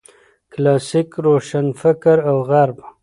کلاسیک روشنفکر او غرب